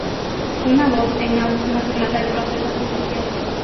Una voz en off nos relata el proceso judicial.